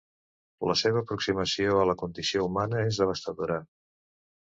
La seva aproximació a la condició humana és devastadora.